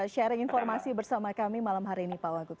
sharing informasi bersama kami malam hari ini pak wagub